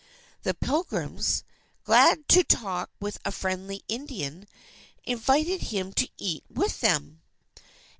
The Pilgrims, glad to talk with a friendly Indian, invited him to eat with them.